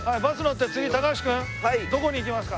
次高橋君どこに行きますか？